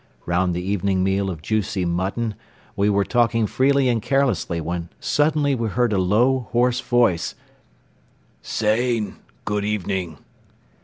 Round the evening meal of juicy mutton we were talking freely and carelessly when suddenly we heard a low, hoarse voice: "Sayn Good evening!"